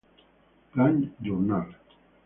Plant Journal.